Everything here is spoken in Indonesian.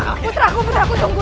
putraku putraku tunggu